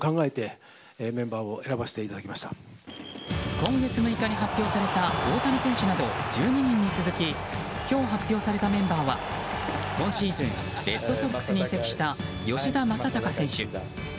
今月６日に発表された大谷選手など１２人に続き今日発表されたメンバーは今シーズンレッドソックスに移籍した吉田正尚選手。